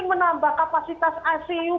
menambah kapasitas icu